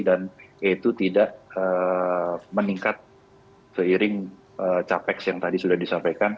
dan itu tidak meningkat seiring capex yang tadi sudah disampaikan